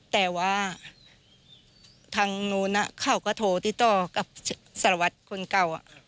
แต่ว่าทางนู้นเขาก็โทรติดต่อกับสารวัตรคนเก่า